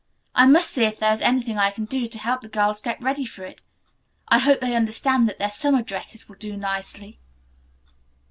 I must see if there is anything I can do to help the girls get ready for it. I hope they understand that their summer dresses will do nicely."